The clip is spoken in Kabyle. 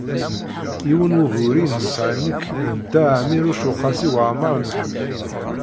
Yiwen wugur i nesɛa nekk d Dda Ɛmiiruc u Qasi Waɛmer n Ḥmed.